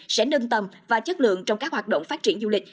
sẽ nâng tầm và chất lượng trong các hoạt động phát triển du lịch